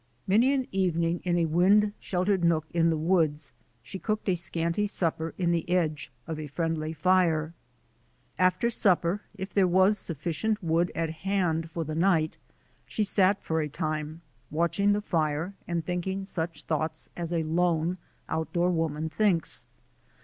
Many an evening in a wind sheltered nook in the woods she cooked a scanty supper in the edge of a friendly camp fire. After supper, if there was sufficient wood at hand for the night, she sat for a time watching the fire and thinking such thoughts as a lone, outdoor woman thinks.